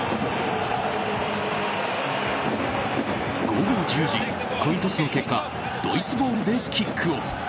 午後１０時、コイントスの結果ドイツボールでキックオフ。